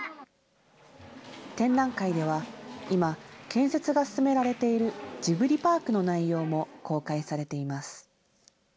展覧会には今、建設が進められているジブリパークの内容も公開されています。